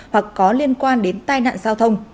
hoặc có liên quan đến tai nạn giao thông